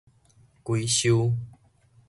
整巢